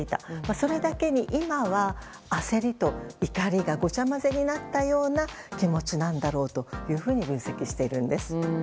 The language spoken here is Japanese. それだけに今は焦りと怒りがごちゃ混ぜになったような気持ちなんだろうというふうに分析しているんです。